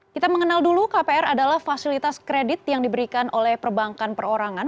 kita mengenal dulu kpr adalah fasilitas kredit yang diberikan oleh perbankan perorangan